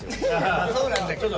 まあそうなんだけど。